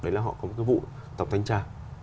đấy là họ có một cái vụ tổng thanh tra